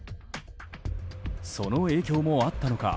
その影響もあったのか